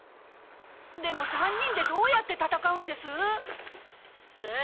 でも３人でどうやって戦うんです？さあ。